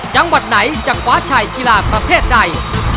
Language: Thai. จังหวัดไหนจะคว้าชัยกีฬาประเภทใด